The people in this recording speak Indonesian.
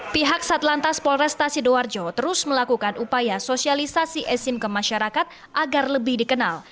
pihak satlantas polresta sidoarjo terus melakukan upaya sosialisasi esim ke masyarakat agar lebih dikenal